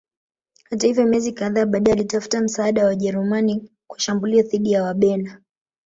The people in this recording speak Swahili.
Hata hivyo miezi kadhaa baadaye alitafuta msaada wa Wajerumani kwa shambulio dhidi ya Wabena